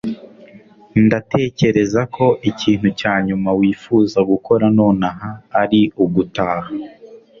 ndatekereza ko ikintu cya nyuma wifuza gukora nonaha ari ugutaha